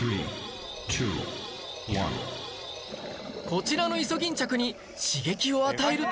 こちらのイソギンチャクに刺激を与えると